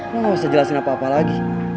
lo gak usah jelasin apa apa lagi